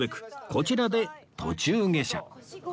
こちらで途中下車